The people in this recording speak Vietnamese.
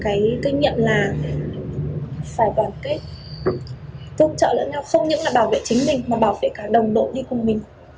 cái kinh nghiệm là phải đoàn kết cứ hỗ trợ lẫn nhau không những là bảo vệ chính mình mà bảo vệ cả đồng đội đi cùng mình